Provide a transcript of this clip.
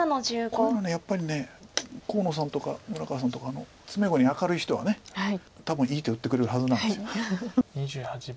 こういうのやっぱり河野さんとか村川さんとか詰碁に明るい人は多分いい手を打ってくれるはずなんです。